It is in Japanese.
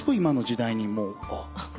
今の時代にもう。